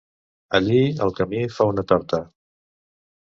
Allí el camí fa una torta.